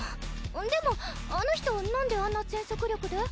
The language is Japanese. でもあの人なんであんな全速力で？